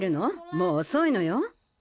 もうおそいのよ。